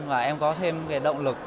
và em có thêm cái động lực